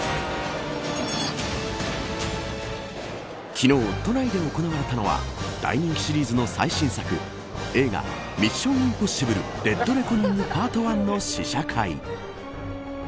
昨日、都内で行われたのは大人気シリーズの最新作映画ミッション：インポッシブルデッドレコニングＰＡＲＴＯＮＥの試写会。